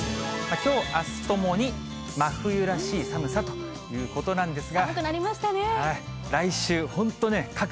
きょう、あすともに真冬らしい寒さということなんですが。